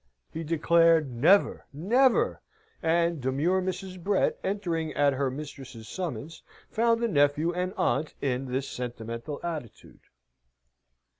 He declared never! never! And demure Mrs. Brett, entering at her mistress's summons, found the nephew and aunt in this sentimental attitude.